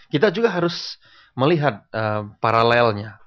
kita juga harus melihat paralelnya